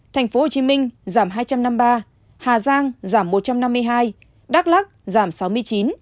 thành phố hồ chí minh giảm hai trăm năm mươi ba hà giang giảm một trăm năm mươi hai đắk lắc giảm sáu mươi chín